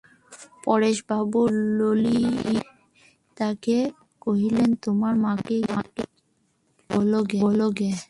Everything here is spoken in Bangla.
পরেশবাবু ললিতাকে কহিলেন, তোমার মাকে বলো গে।